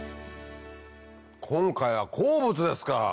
今回は鉱物ですか！